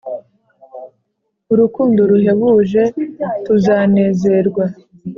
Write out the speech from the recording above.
Urukundo ruhebuje, tuzanezerwa